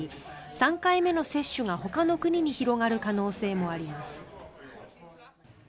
３回目の接種がほかの国に広がる可能性もあります。